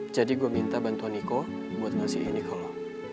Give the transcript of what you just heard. jadi gue minta bantuan niko buat ngasih ini ke lo